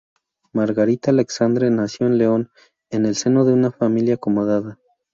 Margarita Alexandre nació en León, en el seno de una familia acomodada.